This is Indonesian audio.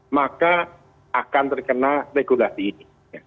maka akan terkena regulasi ini